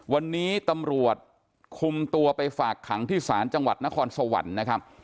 วันนี้ตำรวจคุมตัวไปฝากขังที่ศาลจังหวัดนครสวรรค์นะครับ